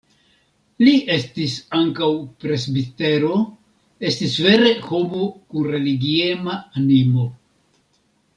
Li estis ankaŭ presbitero, estis vere homo kun religiema animo.